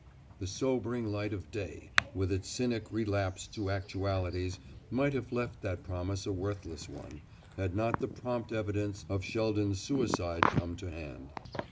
The sobering light of day, with its cynic relapse to actualities, might have left that promise a worthless one, had not the prompt evidence of Sheldon's suicide come to hand.